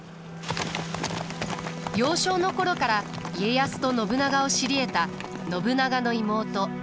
幼少の頃から家康と信長を知りえた信長の妹市。